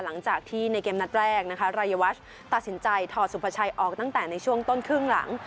หลังจากที่ในเกมนัดแรกนะคะรายวัชตัดสินใจถอดสุภาชัยออกตั้งแต่ในช่วงต้นครึ่งหลัง